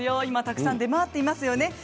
今たくさん出回っていますよね。